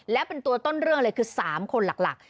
และเป็นตัวต้นเรื่องเลยคือ๓คนหลัก